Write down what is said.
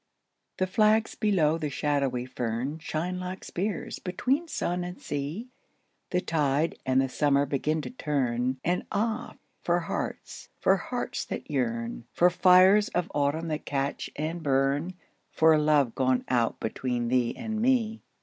THE flags below the shadowy fern Shine like spears between sun and sea, The tide and the summer begin to turn, And ah, for hearts, for hearts that yearn, For fires of autumn that catch and burn, For love gone out between thee and me.